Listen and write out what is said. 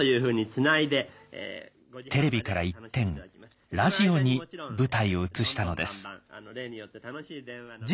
テレビから一転ラジオに舞台を移したのです。